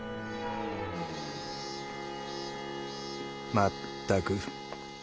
まったく。